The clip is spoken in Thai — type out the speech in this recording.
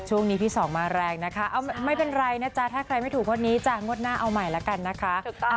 ช่วงนี้พี่สองมาแรงนะคะไม่เป็นไรนะจ๊ะถ้าใครไม่ถูกงวดนี้จ้ะงวดหน้าเอาใหม่แล้วกันนะคะ